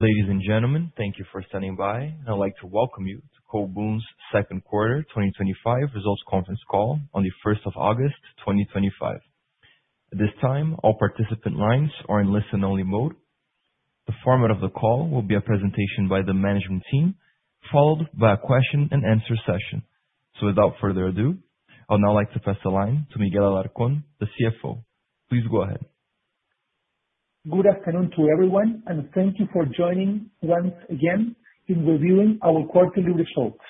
Ladies and gentlemen, thank you for standing by. I'd like to welcome you to Colbún's second quarter 2025 results conference call on the 1st of August 2025. At this time, all participant lines are in listen-only mode. The format of the call will be a presentation by the management team, followed by a question and answer session. Without further ado, I would now like to pass the line to Miguel Alarcón, the CFO. Please go ahead. Good afternoon to everyone, and thank you for joining once again in reviewing our quarterly results.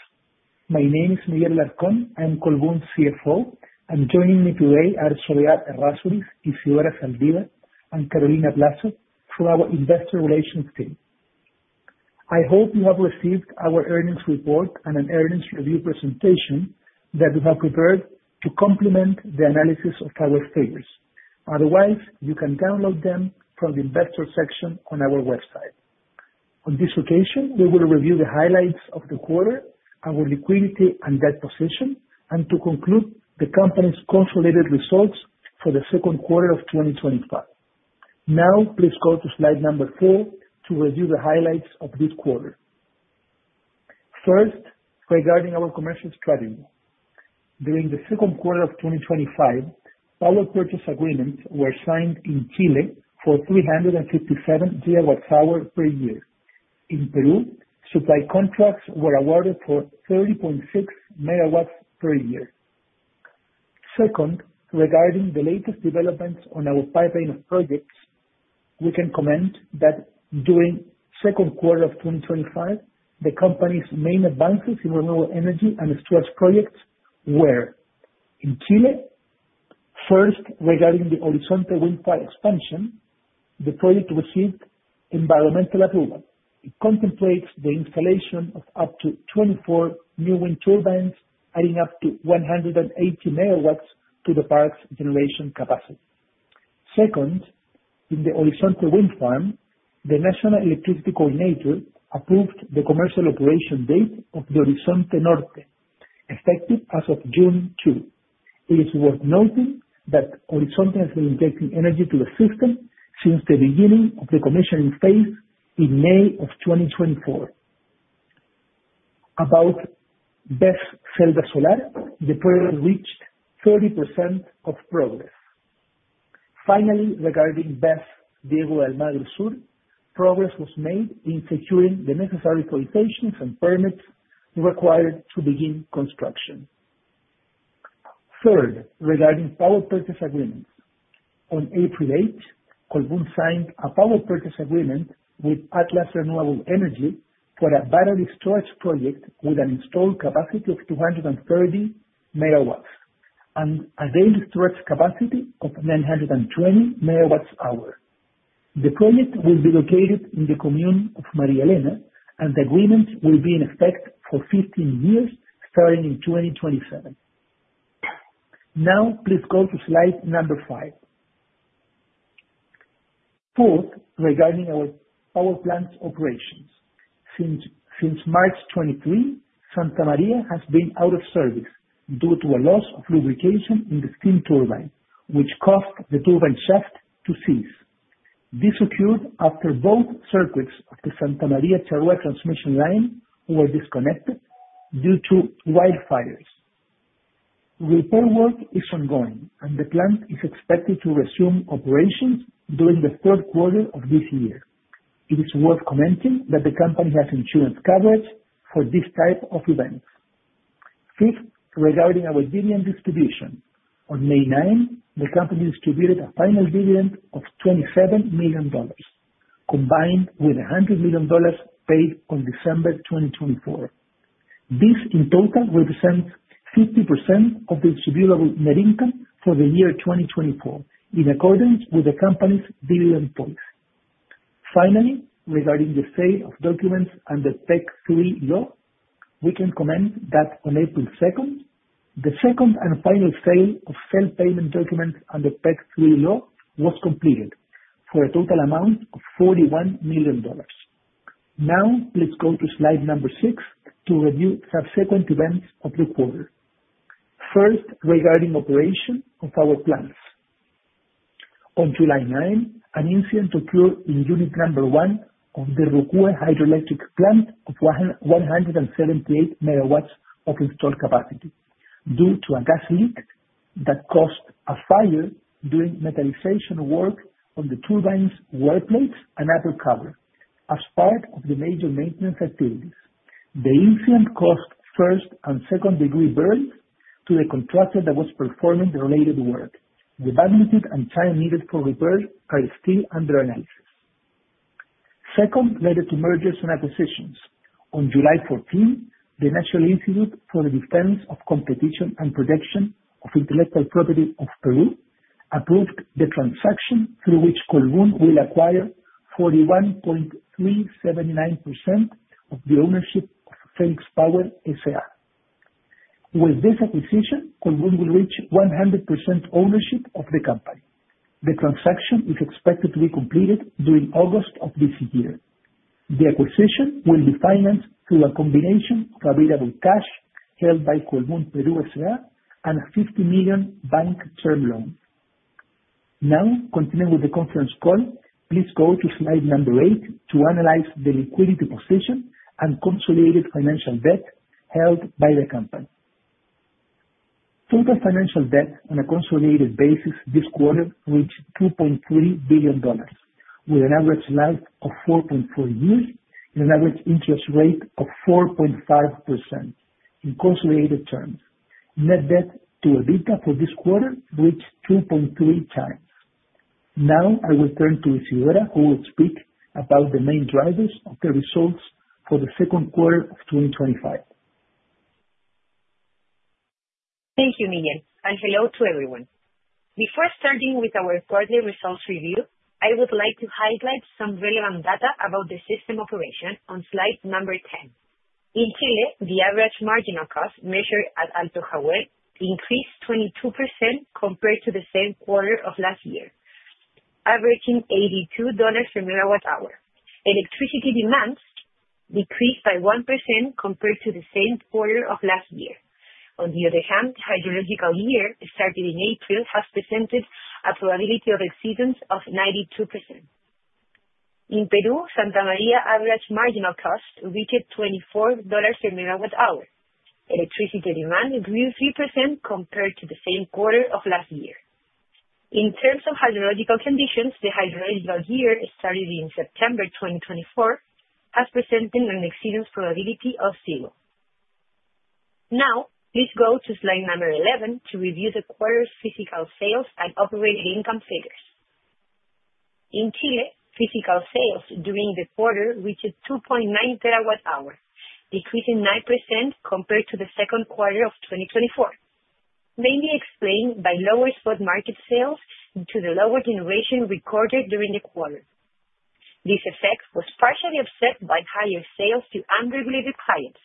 My name is Miguel Alarcón. I'm Colbún's CFO, and joining me today are Soledad Errázuriz, Isidora Zaldívar, and Carolina Blasco from our investor relations team. I hope you have received our earnings report and an earnings review presentation that we have prepared to complement the analysis of our figures. Otherwise, you can download them from the investor section on our website. On this occasion, we will review the highlights of the quarter, our liquidity and debt position, and to conclude, the company's consolidated results for the second quarter of 2025. Now, please go to slide number four to review the highlights of this quarter. First, regarding our commercial strategy, during the second quarter of 2025, our purchase agreements were signed in Chile for 357 gigawatt-hours per year. In Peru, supply contracts were awarded for 30.6 megawatts per year. Second, regarding the latest developments on our pipeline of projects, we can comment that during the second quarter of 2025, the company's main advances in renewable energy and storage projects were in Chile. First, regarding the Horizonte Wind Farm expansion, the project received environmental approval. It contemplates the installation of up to 24 new wind turbines, adding up to 180 megawatts to the park's generation capacity. Second, in the Horizonte Wind Farm, the national electricity coordinator approved the commercial operation date of the Horizonte Norte, effective as of June 2. It is worth noting that Horizonte has been injecting energy to the system since the beginning of the commissioning phase in May of 2024. About BES Celda Solar, the project reached 30% of progress. Finally, regarding BES Diego Almagro Sur, progress was made in securing the necessary quotations and permits required to begin construction. Third, regarding power purchase agreements, on April 8, Colbún signed a power purchase agreement with Atlas Renewable Energy for a battery storage project with an installed capacity of 230 megawatts and a daily storage capacity of 920 megawatt-hours. The project will be located in the commune of María Elena, and the agreement will be in effect for 15 years, starting in 2027. Now, please go to slide number five. Fourth, regarding our power plant's operations, since March 23, Santa María has been out of service due to a loss of lubrication in the steam turbine, which caused the turbine shaft to cease. This occurred after both circuits of the Santa María Charroyas transmission line were disconnected due to wildfires. Repair work is ongoing, and the plant is expected to resume operations during the third quarter of this year. It is worth commenting that the company has insurance coverage for this type of event. Fifth, regarding our dividend distribution, on May 9, the company distributed a final dividend of $27 million, combined with $100 million paid on December 2024. This, in total, represents 50% of the distributable net income for the year 2024, in accordance with the company's dividend policy. Finally, regarding the sale of documents under PEC III law, we can comment that on April 2nd, the second and final sale of self-payment documents under PEC III law was completed for a total amount of $41 million. Now, please go to slide number six to review subsequent events of the quarter. First, regarding operation of our plants. On July 9, an incident occurred in unit number one on the Rucúe Hydroelectric Plant of 178 megawatts of installed capacity due to a gas leak that caused a fire during metalization work on the turbine's wire plates and upper cover as part of the major maintenance activities. The incident caused first and second-degree burns to the contractor that was performing the related work. The magnitude and time needed for repairs are still under analysis. Second, related to mergers and acquisitions. On July 14, the National Institute for the Defense of Competition and Protection of Intellectual Property of Peru approved the transaction through which Colbún will acquire 41.379% of the ownership of Fenix Power S.A. With this acquisition, Colbún will reach 100% ownership of the company. The transaction is expected to be completed during August of this year. The acquisition will be financed through a combination of available cash held by Colbún Perú S.A. and a $50 million bank term loan. Now, continuing with the conference call, please go to slide number eight to analyze the liquidity position and consolidated financial debt held by the company. Total financial debt on a consolidated basis this quarter reached $2.3 billion, with an average life of 4.4 years and an average interest rate of 4.5% in consolidated terms. Net debt to EBITDA for this quarter reached 2.3 times. Now, I will turn to Isidora Zaldívar, who will speak about the main drivers of the results for the second quarter of 2025. Thank you, Miguel, and hello to everyone. Before starting with our quarterly results review, I would like to highlight some relevant data about the system operation on slide number 10. In Chile, the average marginal cost measured at Alto Jaguar increased 22% compared to the same quarter of last year, averaging $82 per megawatt-hour. Electricity demands decreased by 1% compared to the same quarter of last year. On the other hand, the hydrological year started in April has presented a probability of exceedance of 92%. In Peru, Santa María average marginal cost reached $24 per megawatt-hour, electricity demand grew 3% compared to the same quarter of last year. In terms of hydrological conditions, the hydrological year started in September 2024 has presented an exceedance probability of 0%. Now, please go to slide number 11 to review the quarter's physical sales and operating income figures. In Chile, physical sales during the quarter reached 2.9 terawatt-hours, decreasing 9% compared to the second quarter of 2024, mainly explained by lower spot market sales due to the lower generation recorded during the quarter. This effect was partially offset by higher sales to unregulated clients,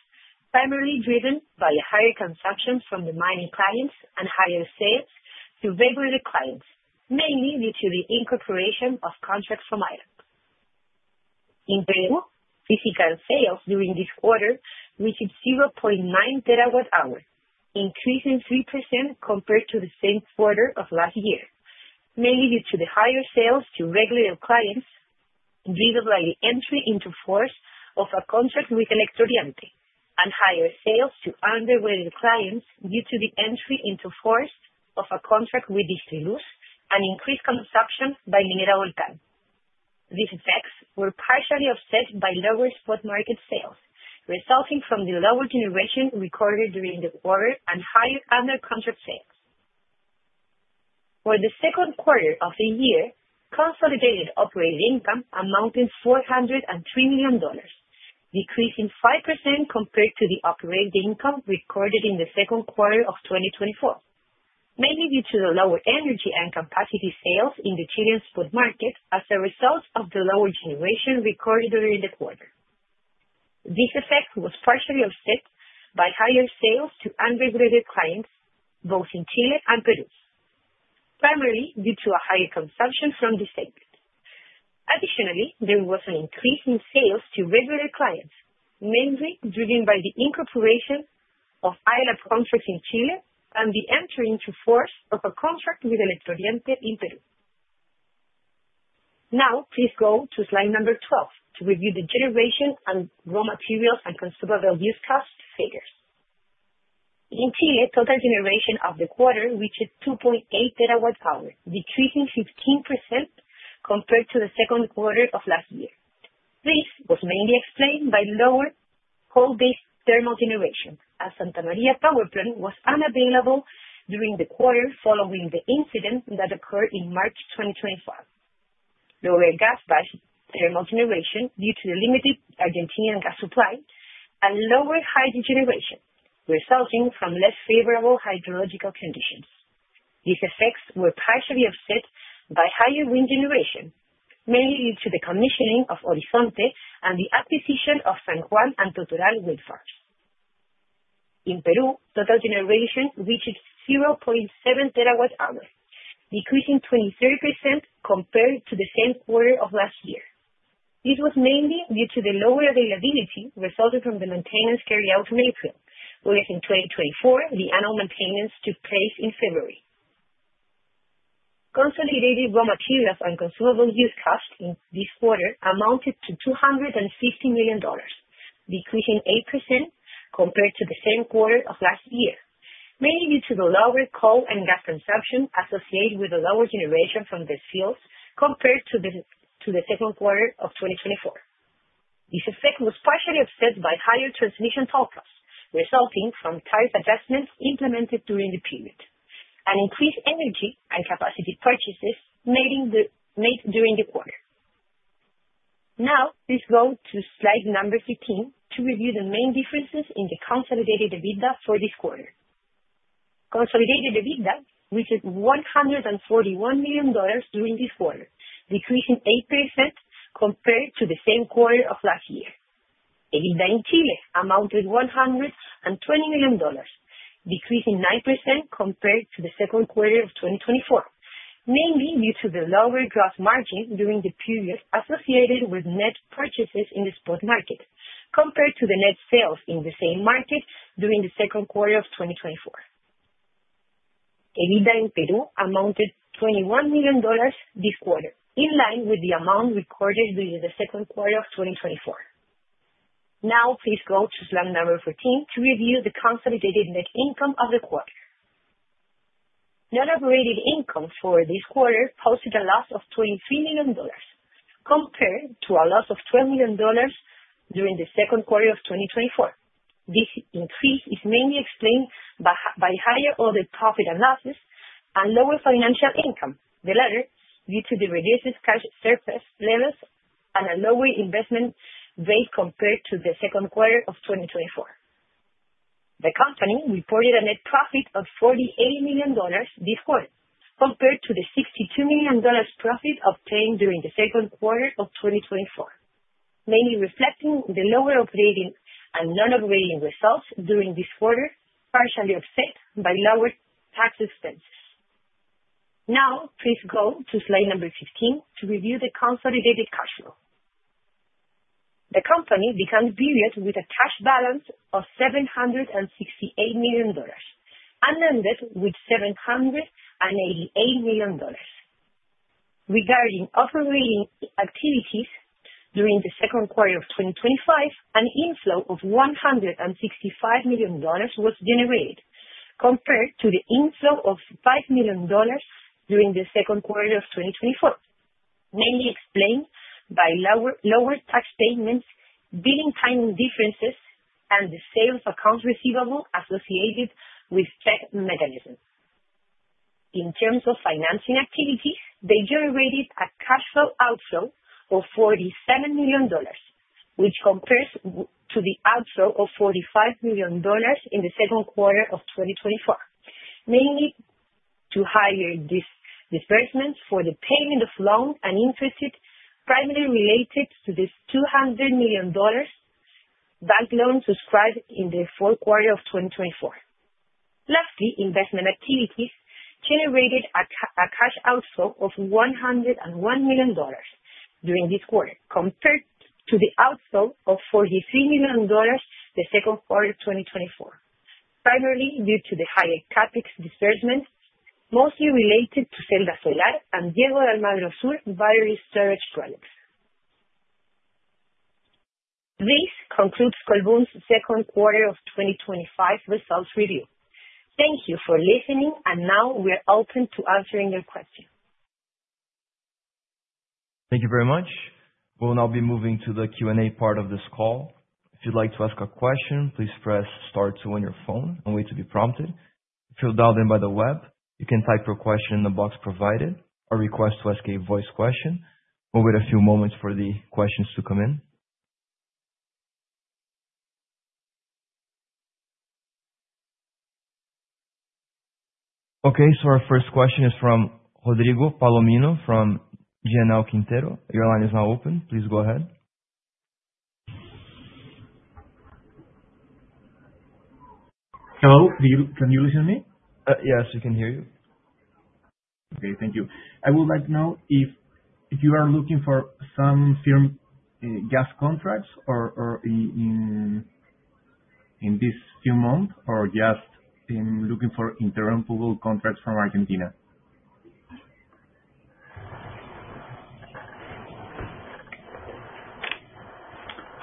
primarily driven by higher transactions from the mining clients and higher sales to regulated clients, mainly due to the incorporation of contracts from Ireland. In Peru, physical sales during this quarter reached 0.9 terawatt-hours, increasing 3% compared to the same quarter of last year, mainly due to the higher sales to regulated clients visible by the entry into force of a contract with Electro Oriente and higher sales to unregulated clients due to the entry into force of a contract with Distriluz and increased consumption by Minera Collahuasi. These effects were partially offset by lower spot market sales resulting from the lower generation recorded during the quarter and higher undercontract sales. For the second quarter of the year, consolidated operating income amounted to $403 million, decreasing 5% compared to the operating income recorded in the second quarter of 2024, mainly due to the lower energy and capacity sales in the Chilean spot market as a result of the lower generation recorded during the quarter. This effect was partially offset by higher sales to unregulated clients both in Chile and Peru, primarily due to a higher consumption from the segment. Additionally, there was an increase in sales to regulated clients, mainly driven by the incorporation of ILAP contracts in Chile and the entry into force of a contract with Electro Oriente in Peru. Now, please go to slide number 12 to review the generation and raw materials and consumable use cost figures. In Chile, total generation of the quarter reached 2.8 terawatt-hours, decreasing 15% compared to the second quarter of last year. This was mainly explained by lower coal-based thermal generation, as Santa María power plant was unavailable during the quarter following the incident that occurred in March 2025. Lower gas-based thermal generation due to the limited Argentinian gas supply and lower hydrogeneration resulting from less favorable hydrological conditions. These effects were partially offset by higher wind generation, mainly due to the commissioning of Horizonte and the acquisition of San Juan and Totoral wind farms. In Peru, total generation reached 0.7 terawatt-hours, decreasing 23% compared to the same quarter of last year. This was mainly due to the lower availability resulting from the maintenance carried out in April, whereas in 2024, the annual maintenance took place in February. Consolidated raw materials and consumable use costs in this quarter amounted to $250 million, decreasing 8% compared to the same quarter of last year, mainly due to the lower coal and gas consumption associated with the lower generation from the fields compared to the second quarter of 2024. This effect was partially offset by higher transmission toll costs resulting from tariff adjustments implemented during the period and increased energy and capacity purchases made during the quarter. Now, please go to slide number 15 to review the main differences in the consolidated EBITDA for this quarter. Consolidated EBITDA reached $141 million during this quarter, decreasing 8% compared to the same quarter of last year. EBITDA in Chile amounted to $120 million, decreasing 9% compared to the second quarter of 2024, mainly due to the lower gross margin during the period associated with net purchases in the spot market compared to the net sales in the same market during the second quarter of 2024. EBITDA in Peru amounted to $21 million this quarter, in line with the amount recorded during the second quarter of 2024. Now, please go to slide number 14 to review the consolidated net income of the quarter. Net operating income for this quarter posted a loss of $23 million compared to a loss of $12 million during the second quarter of 2024. This increase is mainly explained by higher order profit analysis and lower financial income, the latter due to the reduced cash surplus levels and a lower investment rate compared to the second quarter of 2024. The company reported a net profit of $48 million this quarter compared to the $62 million profit obtained during the second quarter of 2024, mainly reflecting the lower operating and non-operating results during this quarter, partially offset by lower tax expenses. Now, please go to slide number 15 to review the consolidated cash flow. The company began the period with a cash balance of $768 million, and ended with $788 million. Regarding operating activities during the second quarter of 2025, an inflow of $165 million was generated compared to the inflow of $5 million during the second quarter of 2024, mainly explained by lower tax payments, billing timing differences, and the sales accounts receivable associated with check mechanisms. In terms of financing activities, they generated a cash flow outflow of $47 million, which compares to the outflow of $45 million in the second quarter of 2024, mainly due to higher disbursements for the payment of loans and interest primarily related to the $200 million bank loan subscribed in the fourth quarter of 2024. Lastly, investment activities generated a cash outflow of $101 million during this quarter compared to the outflow of $43 million in the second quarter of 2024, primarily due to the higher CapEx disbursements, mostly related to BES Celda Solar and BES Diego Almagro Sur battery storage projects. This concludes Colbún's second quarter of 2025 results review. Thank you for listening, and now we are open to answering your questions. Thank you very much. We'll now be moving to the Q&A part of this call. If you'd like to ask a question, please press star two on your phone and wait to be prompted. If you're dialed in by the web, you can type your question in the box provided or request to ask a voice question. We'll wait a few moments for the questions to come in. Okay, our first question is from Rodrigo Palomino from GNL Quintero. Your line is now open. Please go ahead. Hello. Can you listen to me? Yes, we can hear you. Okay, thank you. I would like to know if you are looking for some firm gas contracts in these few months or just looking for interim approval contracts from Argentina.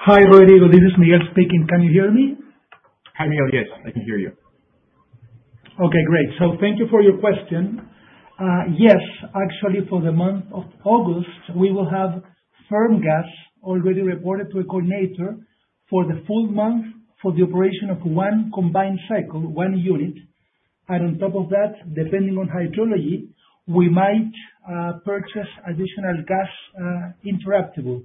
Hi, Rodrigo. This is Miguel speaking. Can you hear me? Hi, Miguel. Yes, I can hear you. Okay, great. Thank you for your question. Yes, actually, for the month of August, we will have firm gas already reported to a coordinator for the full month for the operation of one combined cycle, one unit. On top of that, depending on hydrology, we might purchase additional gas, interruptible.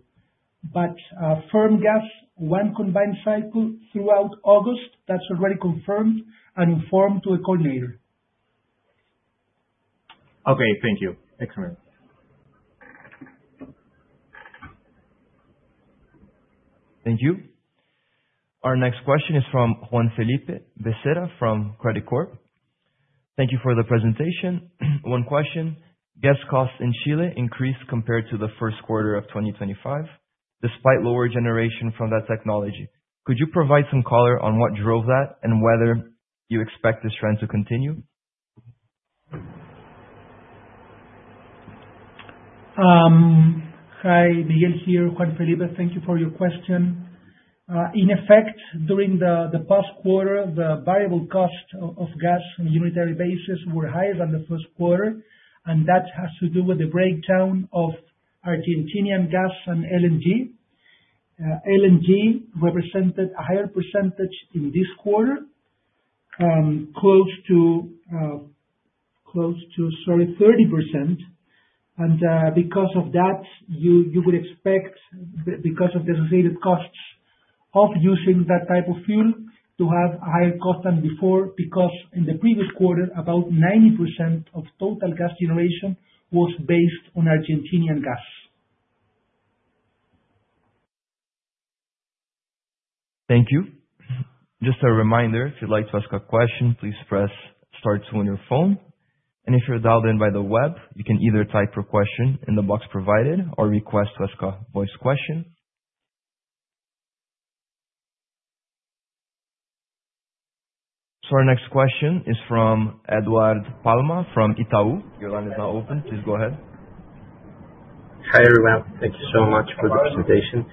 Firm gas, one combined cycle throughout August, that's already confirmed and informed to a coordinator. Okay, thank you. Excellent. Thank you. Our next question is from Juan Felipe Becerra from Credicorp Capital. Thank you for the presentation. One question: gas costs in Chile increased compared to the first quarter of 2025 despite lower generation from that technology. Could you provide some color on what drove that and whether you expect this trend to continue? Hi, Miguel here, Juan Felipe. Thank you for your question. In effect, during the past quarter, the variable cost of gas on a unitary basis were higher than the first quarter, and that has to do with the breakdown of Argentinian gas and LNG. LNG represented a higher % in this quarter, close to 30%. Because of that, you would expect, because of the associated costs of using that type of fuel, to have a higher cost than before because in the previous quarter, about 90% of total gas generation was based on Argentinian gas. Thank you. Just a reminder, if you'd like to ask a question, please press star two on your phone. If you're dialed in by the web, you can either type your question in the box provided or request to ask a voice question. Our next question is from Eduardo Palma from Itaú. Your line is now open. Please go ahead. Hi, Eduardo. Thank you so much for the presentation.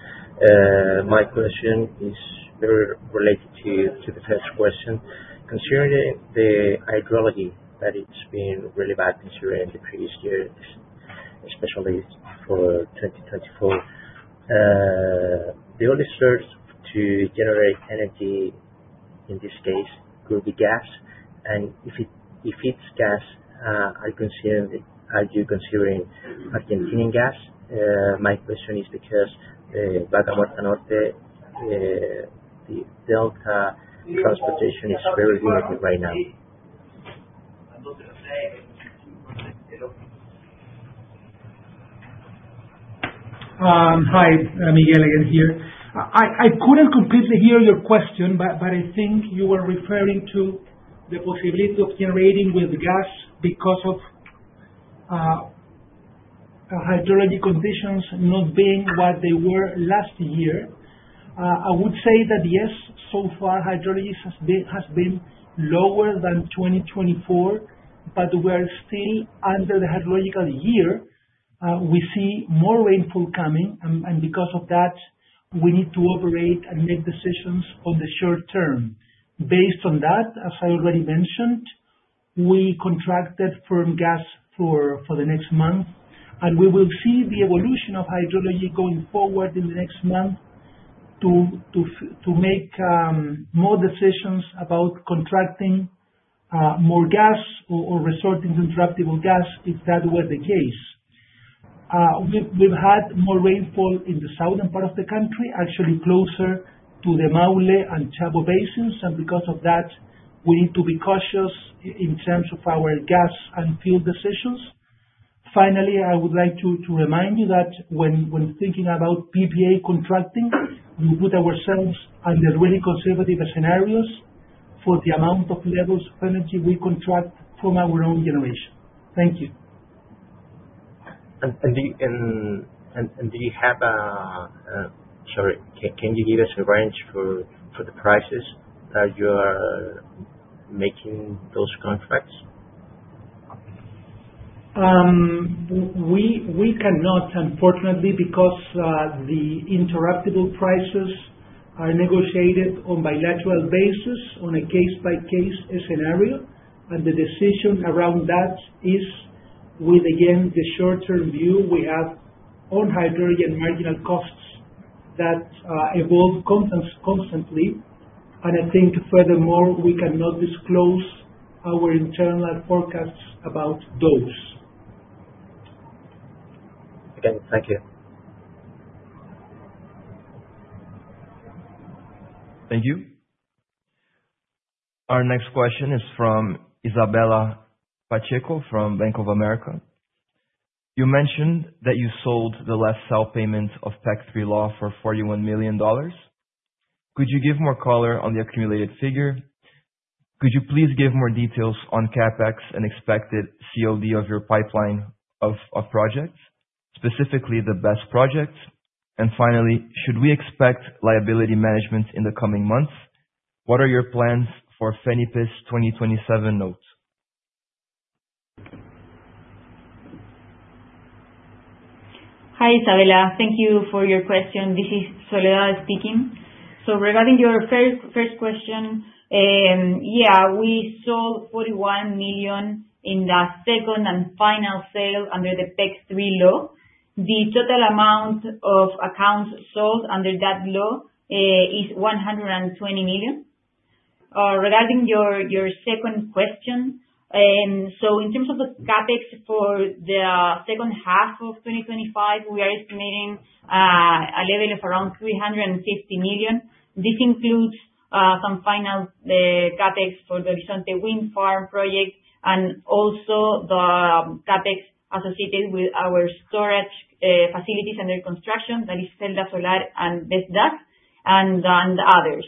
My question is very related to the first question. Considering the hydrology that it's been really bad considering the previous years, especially for 2024, the only source to generate energy in this case could be gas. If it's gas, are you considering Argentinian gas? My question is because the Baja Matanoste, the delta transportation is very limited right now. Hi, Miguel again here. I couldn't completely hear your question, but I think you were referring to the possibility of generating with gas because of hydrology conditions not being what they were last year. I would say that yes, so far, hydrology has been lower than 2024, but we are still under the hydrological year. We see more rainfall coming, and because of that, we need to operate and make decisions on the short term. Based on that, as I already mentioned, we contracted firm gas for the next month, and we will see the evolution of hydrology going forward in the next month to make more decisions about contracting more gas or resorting to interruptible gas if that were the case. We've had more rainfall in the southern part of the country, actually closer to the Maule and Chavo basins, and because of that, we need to be cautious in terms of our gas and fuel decisions. Finally, I would like to remind you that when thinking about PPA contracting, we put ourselves under really conservative scenarios for the amount of levels of energy we contract from our own generation. Thank you. Can you give us a range for the prices that you are making those contracts? We cannot, unfortunately, because the interruptible prices are negotiated on a bilateral basis on a case-by-case scenario, and the decision around that is with, again, the short-term view we have on hydrogen marginal costs that evolve constantly. Furthermore, we cannot disclose our internal forecasts about those. Okay. Thank you. Thank you. Our next question is from Isabella Pacheco from Bank of America. You mentioned that you sold the last self-payment of PEC III law for $41 million. Could you give more color on the accumulated figure? Could you please give more details on CapEx and expected COD of your pipeline of projects, specifically the BES project? Finally, should we expect liability management in the coming months? What are your plans for FENIPES 2027 note? Hi, Isabela. Thank you for your question. This is Soledad speaking. Regarding your first question, yeah, we sold $41 million in the second and final sale under the PEC III law. The total amount of accounts sold under that law is $120 million. Regarding your second question, in terms of the CapEx for the second half of 2025, we are estimating a level of around $350 million. This includes some final CapEx for the Horizonte Wind Farm project and also the CapEx associated with our storage facilities under construction, that is Celda Solar and BES Gas, and others.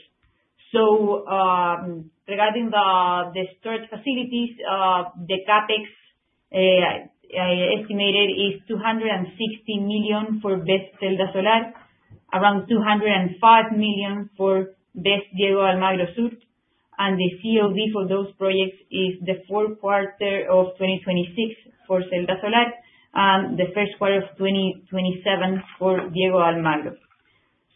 Regarding the storage facilities, the CapEx estimated is $260 million for BES Celda Solar, around $205 million for BES Diego Almagro Sur, and the COD for those projects is the fourth quarter of 2026 for Celda Solar and the first quarter of 2027 for Diego Almagro.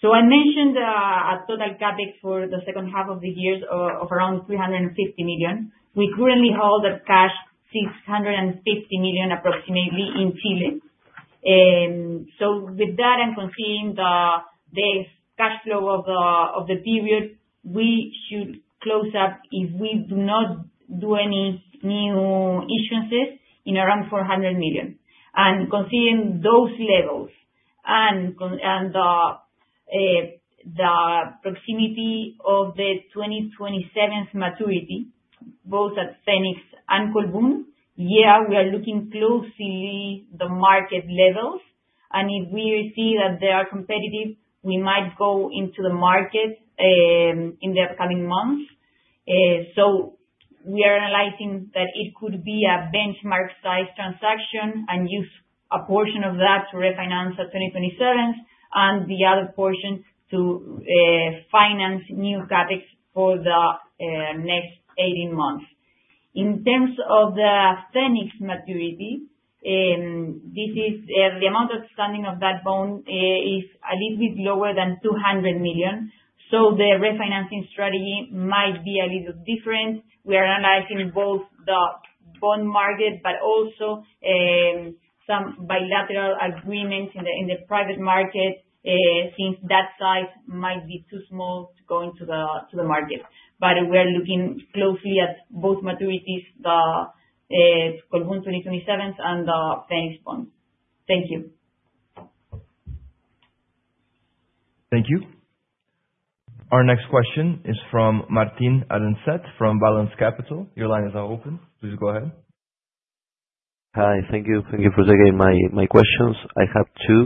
I mentioned a total CapEx for the second half of the year of around $350 million. We currently hold cash of $650 million approximately in Chile. With that, and considering the cash flow of the period, we should close up if we do not do any new issuances in around $400 million. Considering those levels and the proximity of the 2027 maturity, both at FENIPES and Colbún, yeah, we are looking closely at the market levels. If we see that they are competitive, we might go into the market in the upcoming months. We are analyzing that it could be a benchmark size transaction and use a portion of that to refinance at 2027 and the other portion to finance new CapEx for the next 18 months. In terms of the FENIPES maturity, the amount outstanding of that bond is a little bit lower than $200 million. The refinancing strategy might be a little different. We are analyzing both the bond market, but also some bilateral agreements in the private market, since that size might be too small to go into the market. We are looking closely at both maturities, the Colbún 2027 and the FENIPES bonds. Thank you. Thank you. Our next question is from Martín Arenas from Balance Capital. Your line is now open. Please go ahead. Hi. Thank you. Thank you for taking my questions. I have two.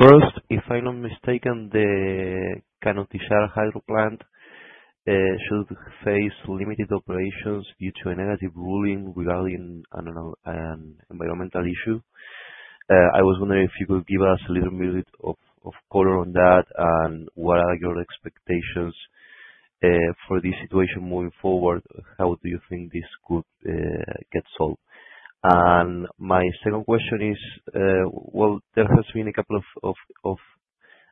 First, if I'm not mistaken, the Canotillara Hydro Plant should face limited operations due to a negative ruling regarding an environmental issue. I was wondering if you could give us a little bit of color on that and what are your expectations for this situation moving forward? How do you think this could get solved? My second question is, there has been a couple of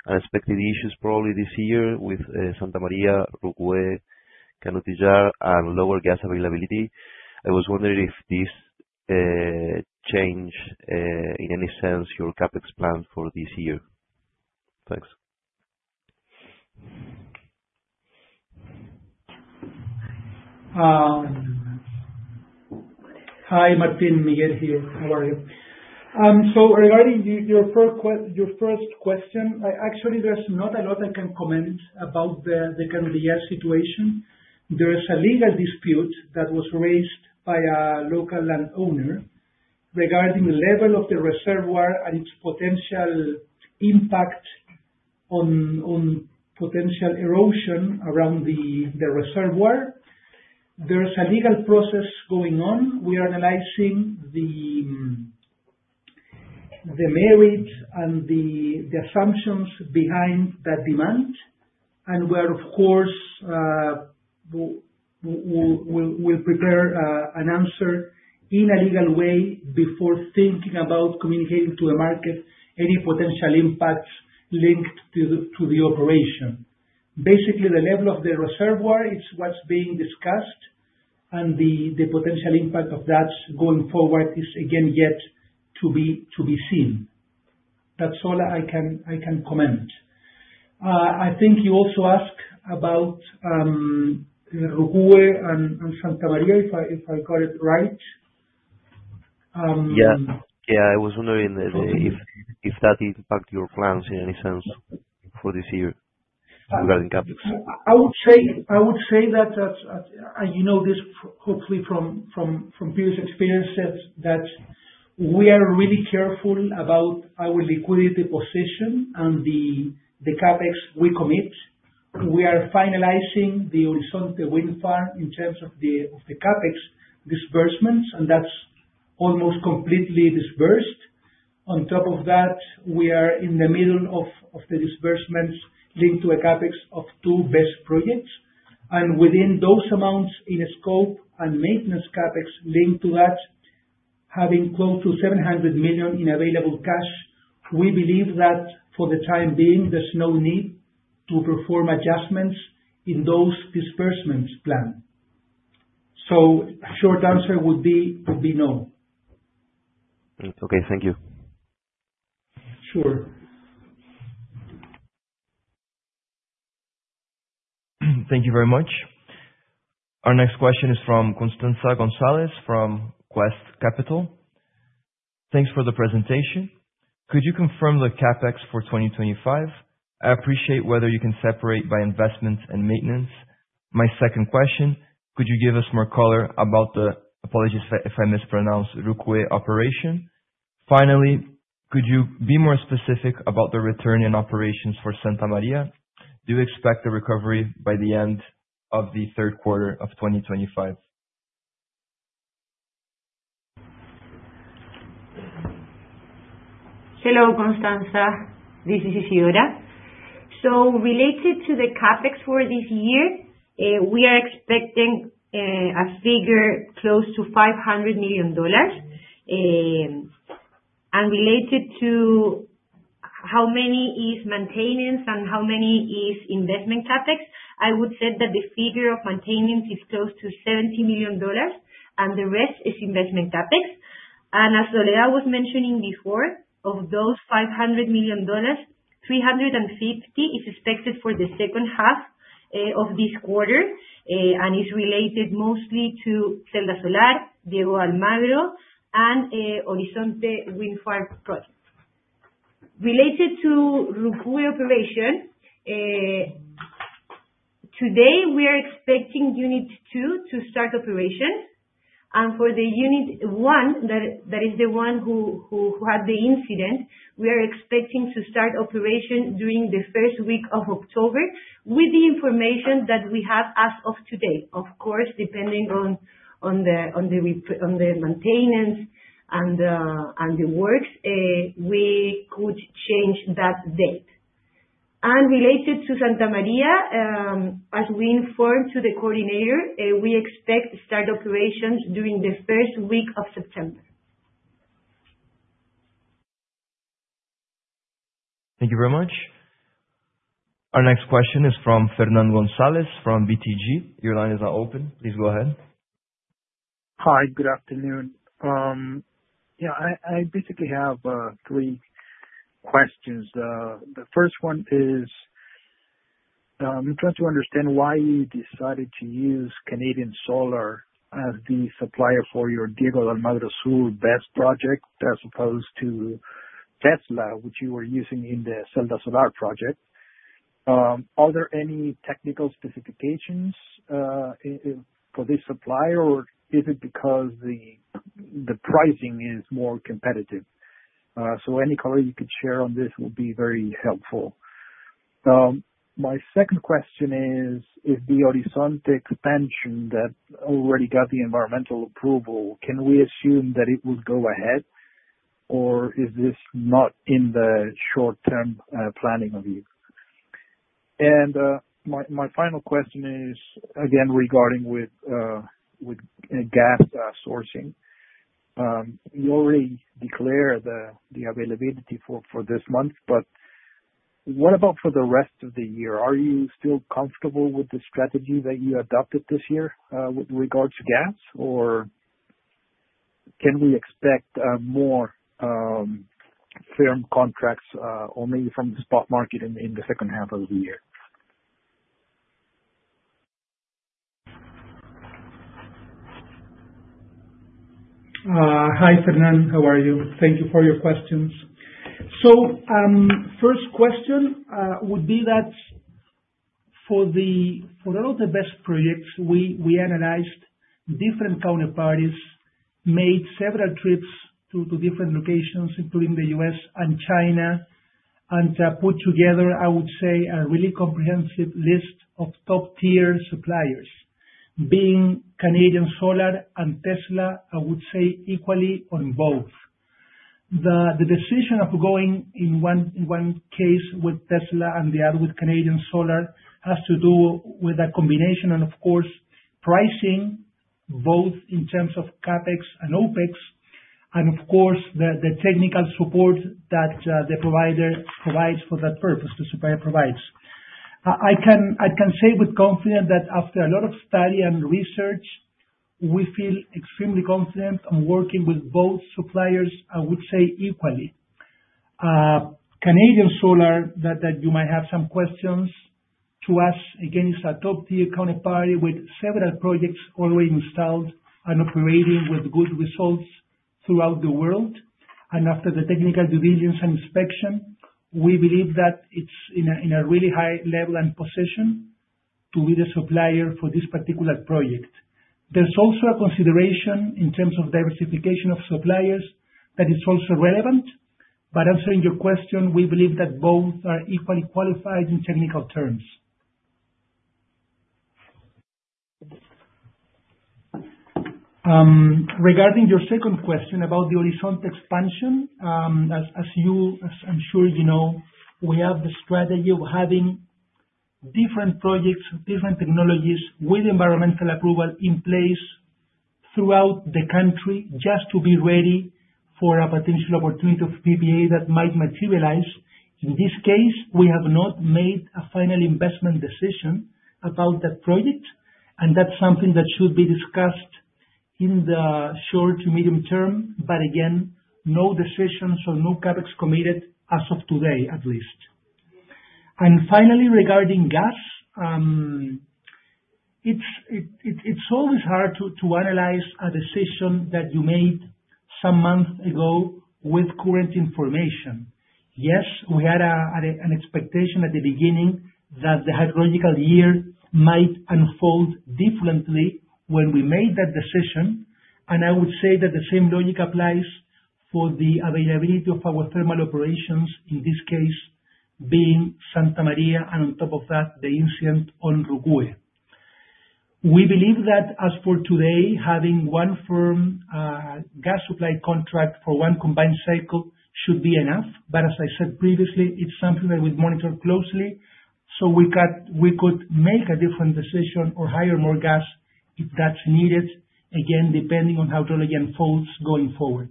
unexpected issues probably this year with Santa María, Rucúe, Canotillara, and lower gas availability. I was wondering if this changed in any sense your CapEx plan for this year. Thanks. Hi, Martín. Miguel here. How are you? Regarding your first question, there's not a lot I can comment about the Canotillara situation. There is a legal dispute that was raised by a local land owner regarding the level of the reservoir and its potential impact on potential erosion around the reservoir. There's a legal process going on. We are analyzing the merits and the assumptions behind that demand. We are, of course, preparing an answer in a legal way before thinking about communicating to the market any potential impacts linked to the operation. Basically, the level of the reservoir is what's being discussed, and the potential impact of that going forward is, again, yet to be seen. That's all I can comment. I think you also asked about Rucúe and Santa María, if I got it right. Yeah, I was wondering if that impacts your plans in any sense for this year regarding CapEx. I would say that, and you know this hopefully from previous experiences, we are really careful about our liquidity position and the CapEx we commit. We are finalizing the Horizonte Wind Farm in terms of the CapEx disbursements, and that's almost completely disbursed. On top of that, we are in the middle of the disbursements linked to a CapEx of two BES projects. Within those amounts in scope and maintenance CapEx linked to that, having close to $700 million in available cash, we believe that for the time being, there's no need to perform adjustments in those disbursement plans. A short answer would be no. Okay, thank you. Sure. Thank you very much. Our next question is from Constanza González from Quest Capital. Thanks for the presentation. Could you confirm the CapEx for 2025? I appreciate whether you can separate by investment and maintenance. My second question, could you give us more color about the, apologies if I mispronounced, Rucúe operation? Finally, could you be more specific about the return in operations for Santa María? Do you expect a recovery by the end of the third quarter of 2025? Hello, Constanza. This is Isidora. Related to the CapEx for this year, we are expecting a figure close to $500 million. Related to how much is maintenance and how much is investment CapEx, I would say that the figure of maintenance is close to $70 million, and the rest is investment CapEx. As Soledad was mentioning before, of those $500 million, $350 million is expected for the second half of this quarter, and it's related mostly to Celda Solar, Diego Almagro, and Horizonte Wind Farm projects. Related to Rucúe operation, today we are expecting unit two to start operations. For unit one, that is the one who had the incident, we are expecting to start operation during the first week of October with the information that we have as of today. Of course, depending on the maintenance and the works, we could change that date. Related to Santa María, as we informed to the coordinator, we expect to start operations during the first week of September. Thank you very much. Our next question is from Fernando González from BTG Pactual. Your line is now open. Please go ahead. Hi. Good afternoon. I basically have three questions. The first one is, I'm trying to understand why you decided to use Canadian Solar as the supplier for your Diego Almagro Sur BES project as opposed to Tesla, which you were using in the Celda Solar project. Are there any technical specifications for this supplier, or is it because the pricing is more competitive? Any color you could share on this would be very helpful. My second question is, if the Horizonte expansion that already got the environmental approval, can we assume that it would go ahead, or is this not in the short-term planning of you? My final question is, again, regarding gas sourcing. You already declared the availability for this month, but what about for the rest of the year? Are you still comfortable with the strategy that you adopted this year with regards to gas, or can we expect more firm contracts, only from the spot market in the second half of the year? Hi, Fernando. How are you? Thank you for your questions. First question would be that for all of the BES projects, we analyzed different counterparties, made several trips to different locations, including the U.S. and China, and put together, I would say, a really comprehensive list of top-tier suppliers, being Canadian Solar and Tesla, I would say, equally on both. The decision of going in one case with Tesla and the other with Canadian Solar has to do with a combination and, of course, pricing, both in terms of CapEx and OpEx, and, of course, the technical support that the provider provides for that purpose, the supplier provides. I can say with confidence that after a lot of study and research, we feel extremely confident on working with both suppliers, I would say, equally. Canadian Solar, that you might have some questions to us, again, is a top-tier counterparty with several projects already installed and operating with good results throughout the world. After the technical due diligence and inspection, we believe that it's in a really high level and position to be the supplier for this particular project. There's also a consideration in terms of diversification of suppliers that is also relevant. Answering your question, we believe that both are equally qualified in technical terms. Regarding your second question about the Horizonte expansion, as you, as I'm sure you know, we have the strategy of having different projects, different technologies with environmental approval in place throughout the country just to be ready for a potential opportunity of PPA that might materialize. In this case, we have not made a final investment decision about that project, and that's something that should be discussed in the short to medium term. No decisions or no CapEx committed as of today, at least. Finally, regarding gas, it's always hard to analyze a decision that you made some months ago with current information. Yes, we had an expectation at the beginning that the hydrological year might unfold differently when we made that decision. I would say that the same logic applies for the availability of our thermal operations, in this case being Santa María, and on top of that, the incident on Rucúe. We believe that as for today, having one firm gas supply contract for one combined cycle should be enough. As I said previously, it's something that we monitor closely. We could make a different decision or hire more gas if that's needed, again, depending on how hydrology unfolds going forward.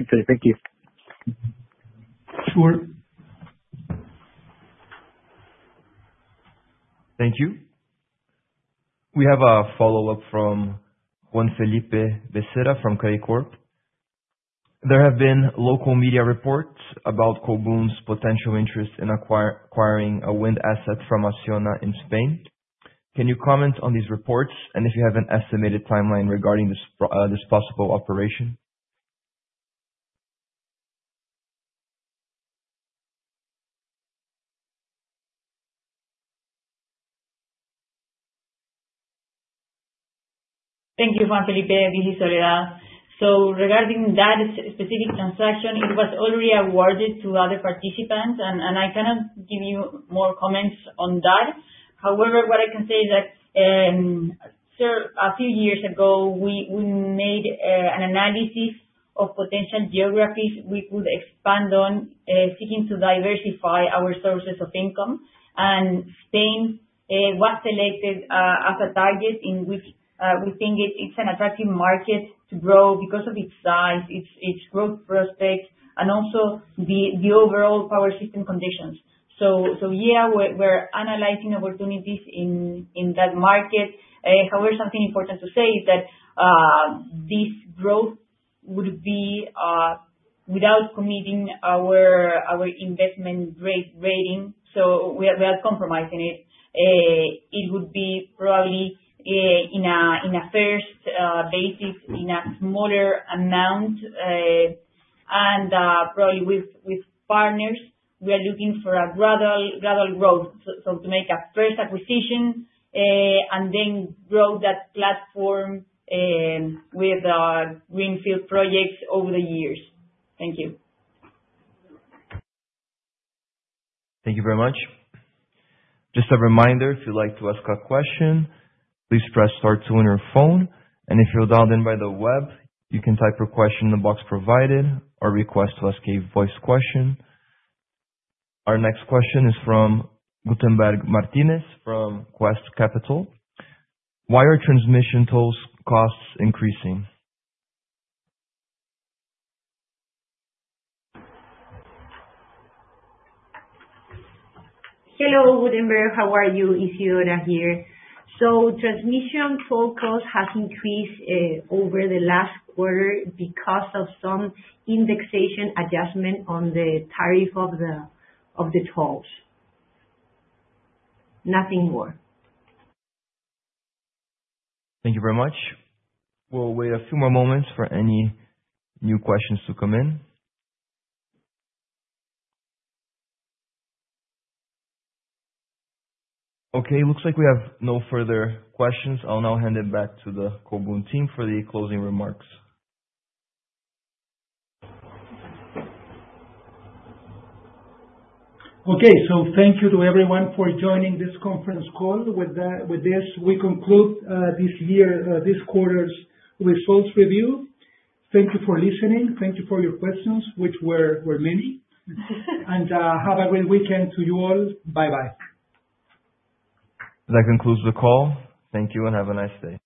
Okay, thank you. Sure. Thank you. We have a follow-up from Juan Felipe Becerra from Credicorp Capital. There have been local media reports about Colbún's potential interest in acquiring a wind asset from Acciona in España. Can you comment on these reports, and if you have an estimated timeline regarding this possible operation? Thank you, Juan Felipe. This is Soledad. Regarding that specific transaction, it was already awarded to other participants, and I cannot give you more comments on that. However, what I can say is that a few years ago, we made an analysis of potential geographies we could expand on, seeking to diversify our sources of income. Spain was selected as a target in which we think it's an attractive market to grow because of its size, its growth prospects, and also the overall power system conditions. We're analyzing opportunities in that market. However, something important to say is that this growth would be without committing our investment rating, so without compromising it. It would be probably, in a first basis, in a smaller amount, and probably with partners. We are looking for a gradual growth to make a first acquisition and then grow that platform with greenfield projects over the years. Thank you. Thank you very much. Just a reminder, if you'd like to ask a question, please press star two on your phone. If you're dialed in by the web, you can type your question in the box provided or request to ask a voice question. Our next question is from Gutenberg Martínez from Quest Capital. Why are transmission tolls costs increasing? Hello, Gutenberg. How are you? Isidora here. Transmission toll costs have increased over the last quarter because of some indexation adjustment on the tariff of the tolls. Nothing more. Thank you very much. We'll wait a few more moments for any new questions to come in. Okay, it looks like we have no further questions. I'll now hand it back to the Colbún team for the closing remarks. Thank you to everyone for joining this conference call. With this, we conclude this year, this quarter's results review. Thank you for listening. Thank you for your questions, which were many, and have a great weekend to you all. Bye-bye. That concludes the call. Thank you and have a nice day.